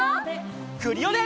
クリオネ！